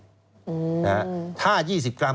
อือนะครับถ้า๒๐กรัม